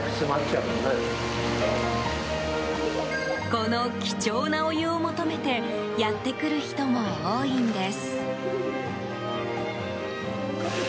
この貴重なお湯を求めてやってくる人も多いんです。